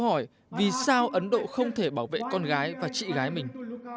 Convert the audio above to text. hỏi vì sao ấn độ không thể bảo vệ con gái và chị gái mình